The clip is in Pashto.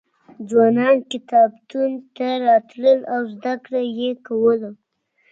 ځوانان کتابتون ته راتلل او زده کړه یې کوله.